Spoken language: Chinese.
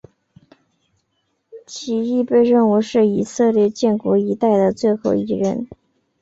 其亦被认为是以色列建国一代的最后一人。